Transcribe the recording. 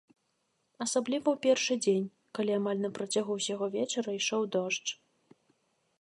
Асабліва ў першы дзень, калі амаль на працягу ўсяго вечара ішоў дождж.